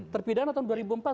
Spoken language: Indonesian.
terpidana tahun dua ribu empat